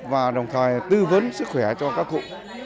và đồng thời tư vấn sức khỏe cho các cụ